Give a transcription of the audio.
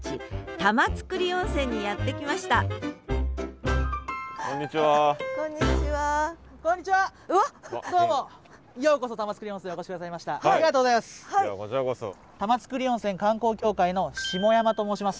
玉造温泉観光協会の下山と申します。